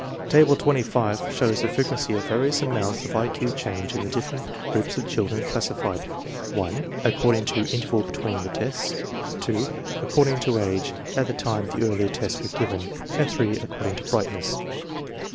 Table 25 shows the frequency of various amounts of I Q change in the different groups of children classified (1) according to interval between the tests, (2) accord ing to age at the time the earlier test was given, and (8) according to brightness.